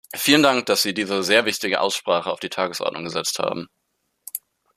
Vielen Dank, dass Sie diese sehr wichtige Aussprache auf die Tagesordnung gesetzt haben.